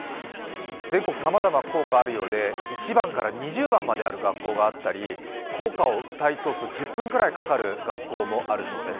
全国、さまざま校歌があるようで１番から２０番まである学校があったり効果をうたい通すと１０分ぐらいかかる学校もあるようです。